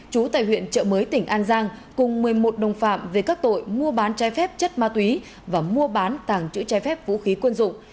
chú tại huyện trợ mới tỉnh an giang cùng một mươi một đồng phạm về các tội mua bán trái phép chất ma túy và mua bán tàng chữ trái phép vũ khí quân dụng